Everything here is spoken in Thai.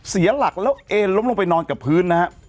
เสียหลักแล้วเอ็นล้มลงไปนอนกับพื้นนะฮะ